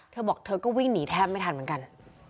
เธอบอกเธอก็วิ่งหนีแทบไม่ทันเหมือนกัน